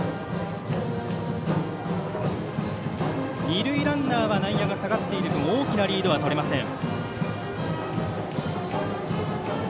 二塁ランナーは内野が下がっているため大きなリードはとれません。